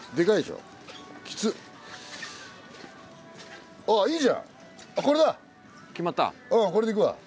うんこれでいくわ。